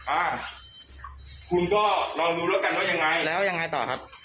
อ่าคุณก็ลองดูแล้วกันว่ายังไงแล้วยังไงต่อครับ